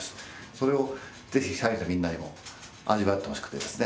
それを是非社員のみんなにも味わってほしくてですね